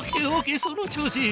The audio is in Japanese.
その調子。